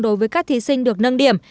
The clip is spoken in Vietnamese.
đối với các thí sinh được nâng điểm